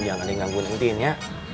jangan ada yang ganggu nantiin ya